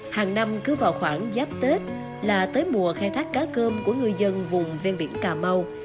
hàng năm cứ vào khoảng giáp tết là tới mùa khai thác cá cơm của người dân vùng ven biển cà mau